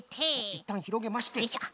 いったんひろげまして。